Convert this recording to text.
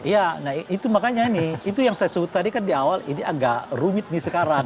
ya nah itu makanya ini itu yang saya sebut tadi kan di awal ini agak rumit nih sekarang